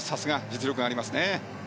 実力がありますね。